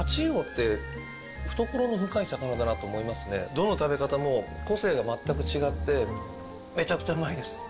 どの食べ方も個性が全く違ってめちゃくちゃうまいです。